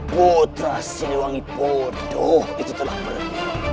putra silwangi puduh itu telah pergi